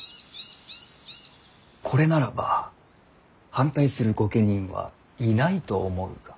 これならば反対する御家人はいないと思うが。